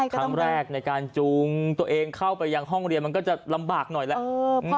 ครั้งแรกในการจูงตัวเองเข้าไปยังห้องเรียนมันก็จะลำบากหน่อยแหละ